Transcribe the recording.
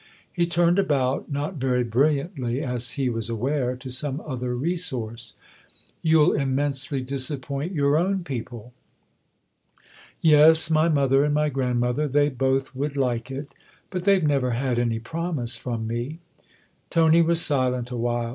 He turned about, not very brilliantly, as he was aware, to some other resource. " You'll immensely disappoint your own people." "Yes, my mother and my grandmother they both would like it. But they've never had any promise from me." Tony was silent awhile.